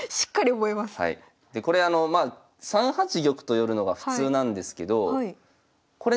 でこれあの３八玉と寄るのが普通なんですけどこれね